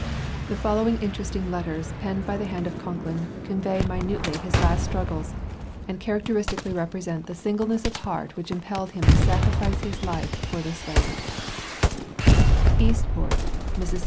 The following interesting letters penned by the hand of Concklin convey minutely his last struggles and characteristically represent the singleness of heart which impelled him to sacrifice his life for the slave EASTPORT, MISS.